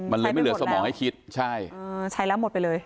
มันเลยไม่เหลือสมองให้คิดใช่ใช้แล้วหมดไปเลย